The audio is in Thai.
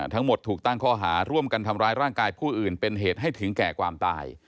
ทั้งหมดถูกตั้งข้อหาร่วมกันทำร้ายร่างกายผู้อื่นเป็นเหตุให้ถึงแก่ความตาย